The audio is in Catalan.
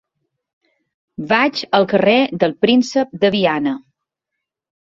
Vaig al carrer del Príncep de Viana.